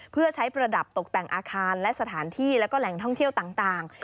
เพื่อใช้ประดับตกแต่งอาคารและสถานที่แล้วก็แหล่งท่องเที่ยวต่าง